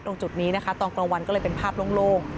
ตรงจุดนี้นะคะตอนกลางวันก็เลยเป็นภาพโล่ง